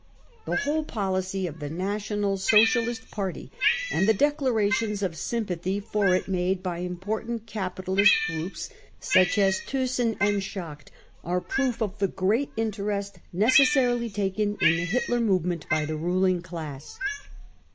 The whole policy of the National Socialist Party and the declarations of sympathy for it macte by important capitalist groups, such as Thyssen and Schacht, are proof of the great interest necessarily taken in the Hitler movement by the ruling class.